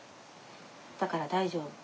だから大丈夫。